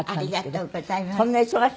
ありがとうございます。